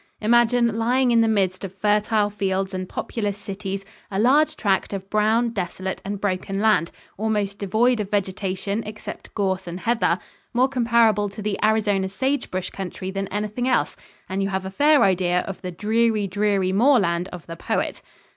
Imagine, lying in the midst of fertile fields and populous cities, a large tract of brown, desolate and broken land, almost devoid of vegetation except gorse and heather, more comparable to the Arizona sagebrush country than anything else, and you have a fair idea of the "dreary, dreary moorland" of the poet.